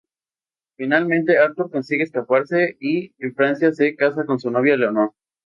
Finalmente, Arturo consigue escaparse y, en Francia, se casa con su novia Leonor.